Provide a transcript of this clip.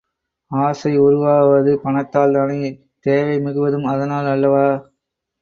ஆசை உருவாவது பணத்தால் தானே தேவை மிகுவதும் அதனால் அல்லவா?